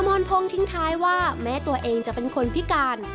อนพงศ์ทิ้งท้ายว่าแม้ตัวเองจะเป็นคนพิการ